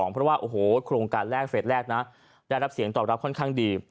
เพราะว่าโครงการแรกได้รับเสียงตอบรับค่อนข้างดี